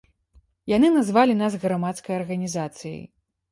Яны назвалі нас грамадскай арганізацыяй.